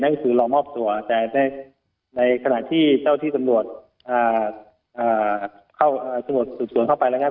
นั่นก็คือรอมอบตัวแต่ในขณะที่เจ้าที่ตำรวจเข้าสมุดสืบสวนเข้าไปนะครับ